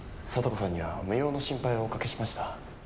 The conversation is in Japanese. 聡子さんには無用の心配をおかけしました。